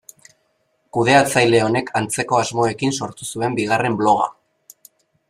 Kudeatzaile honek antzeko asmoekin sortu zuen bigarren bloga.